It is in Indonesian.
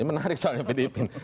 ini menarik soalnya pdip